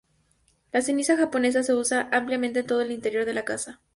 La ceniza japonesa se usa ampliamente en todo el interior de la casa.